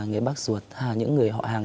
người bác ruột hay những người họ hàng